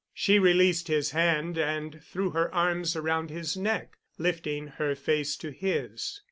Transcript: She released his hand and threw her arms around his neck, lifting her face to his.